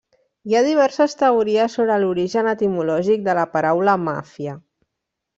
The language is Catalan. Hi ha diverses teories sobre l'origen etimològic de la paraula Màfia.